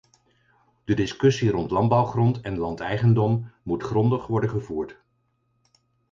De discussie rond landbouwgrond en landeigendom moet grondig worden gevoerd.